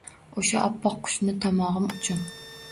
O’sha oppoq qushni topmog’im uchun…